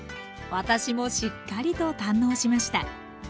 私もしっかりと堪能しました